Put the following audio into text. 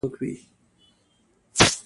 بوټونه د پسرلي فصل لپاره سپک وي.